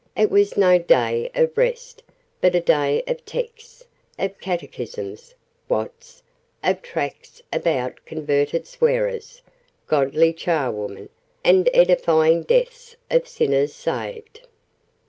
It was no day of rest, but a day of texts, of catechisms (Watts'), of tracts about converted swearers, godly charwomen, and edifying deaths of sinners saved.